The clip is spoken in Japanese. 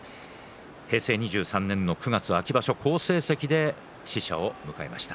平成２３年９月秋場所を好成績で使者を迎えました。